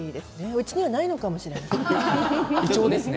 うちにはないのかもしれませんね。